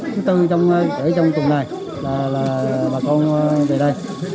thứ tư ở trong tuần này là bà con về đây